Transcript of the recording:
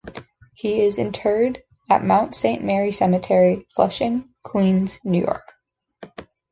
He is interred at Mount Saint Mary Cemetery, Flushing, Queens, New York.